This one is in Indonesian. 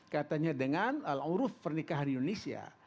katanya dengan al auruf pernikahan indonesia